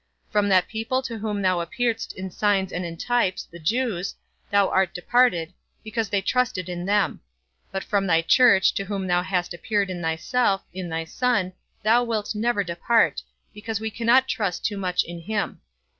From that people to whom thou appearedst in signs and in types, the Jews, thou art departed, because they trusted in them; but from thy church, to whom thou hast appeared in thyself, in thy Son, thou wilt never depart, because we cannot trust too much in him.